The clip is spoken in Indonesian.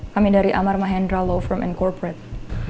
kami dari amar mahendra law from and corporate